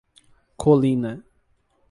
Colina